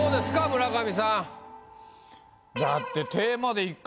村上さん。